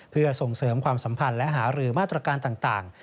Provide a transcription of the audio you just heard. เพื่อส่งเสริมความสัมพันธ์และหารือมาตรการต่าง